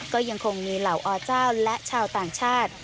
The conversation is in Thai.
ก็ยังคงมีเหล่าอเจ้าและชาวต่างชาติ